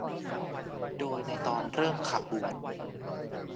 โดยในตอนเริ่มขบวน